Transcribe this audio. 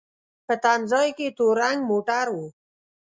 په تم ځای کې تور رنګ موټر و.